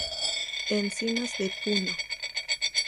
Encinas de Puno.